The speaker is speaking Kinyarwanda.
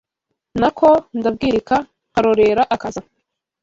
Na ko ndabwirika nkarorera akaza